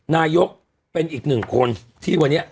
นายกเป็นอีกหนึ่งคนที่วันนี้